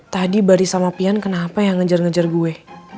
tadi baris sama pian kenapa ya ngejar ngejar gue